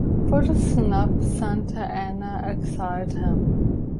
For this snub, Santa Anna exiled him.